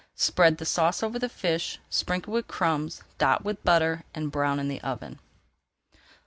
Spread the sauce over the fish, sprinkle with crumbs, dot with butter, and brown in the oven.